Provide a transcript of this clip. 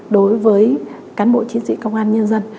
đối với cán bộ chiến sĩ công an nhân dân